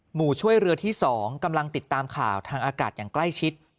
หมู่ช่วยเรือที่๒กำลังติดตามข่าวทางอากาศอย่างใกล้ชิด